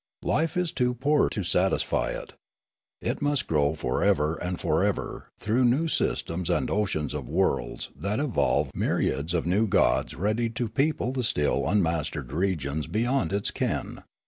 Life is too poor to satisfy it. It must grow for ever and for ever through new systems and oceans of worlds that evolve myriads of new gods ready to people the still unmastered regions beyond its ken.